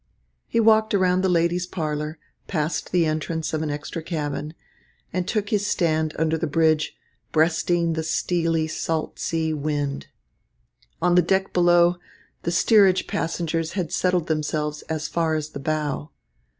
He walked around the ladies' parlour, past the entrance of an extra cabin, and took his stand under the bridge, breasting the steely, salt sea wind. On the deck below, the steerage passengers had settled themselves as far as the bow.